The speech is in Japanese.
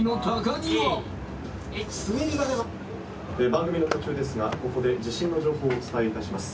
番組の途中ですがここで地震の情報をお伝え致します。